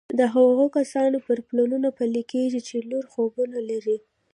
د هغو کسانو پر پلونو پل کېږدئ چې لوړ خوبونه لري